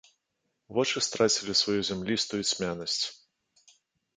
Вочы страцілі сваю зямлістую цьмянасць.